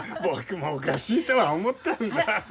僕もおかしいとは思ったんだ。